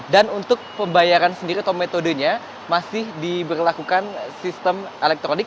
dan untuk pembayaran sendiri atau metodenya masih diberlakukan sistem elektronik